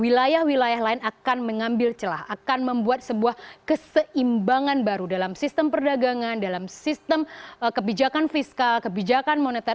wilayah wilayah lain akan mengambil celah akan membuat sebuah keseimbangan baru dalam sistem perdagangan dalam sistem kebijakan fiskal kebijakan moneter